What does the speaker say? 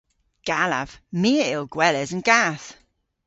Gallav. My a yll gweles an gath.